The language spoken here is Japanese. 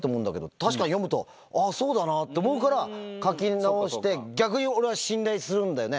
確かに読むと、ああ、そうだなって思うから書き直して、逆に俺は信頼するんだよね。